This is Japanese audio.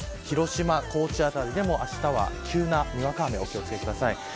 広島、高知辺りでもあしたは急なにわか雨にご注意ください。